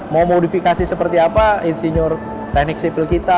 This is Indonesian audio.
mau modifikasi seperti apa insinyur teknik sipil kita